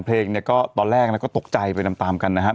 คุณแฟนเพลงตอนแรกก็ตกใจไปตามกันนะครับ